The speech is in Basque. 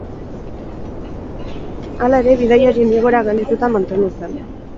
Hala ere bidaiarien igoera geldituta mantendu zen.